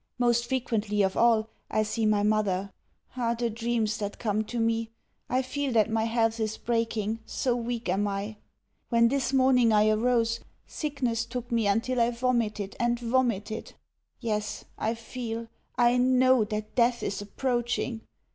Most frequently of all, I see my mother. Ah, the dreams that come to me! I feel that my health is breaking, so weak am I. When this morning I arose, sickness took me until I vomited and vomited. Yes, I feel, I know, that death is approaching.